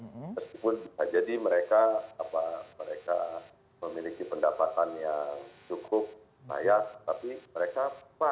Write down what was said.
meskipun bisa jadi mereka memiliki pendapatan yang cukup layak tapi mereka puas